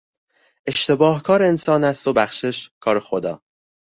اشتباه کار انسان است و بخشش کار خدا